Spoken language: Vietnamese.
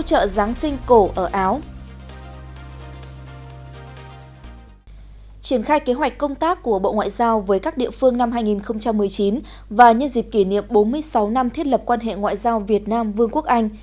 triển khai kế hoạch công tác của bộ ngoại giao với các địa phương năm hai nghìn một mươi chín và nhân dịp kỷ niệm bốn mươi sáu năm thiết lập quan hệ ngoại giao việt nam vương quốc anh